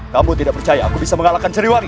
kamu tidak percaya aku bisa mengalahkan ceriwari